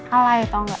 alay tau gak